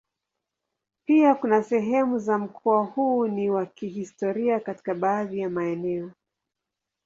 Pia kuna sehemu za mkoa huu ni wa kihistoria katika baadhi ya maeneo.